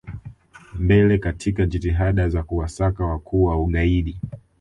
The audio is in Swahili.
mbele katika jitihada za kuwasaka wakuu wa ugaidi